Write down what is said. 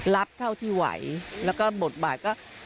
เท่าที่ไหวแล้วก็บทบาทก็